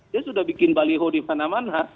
dia sudah bikin baliho di mana mana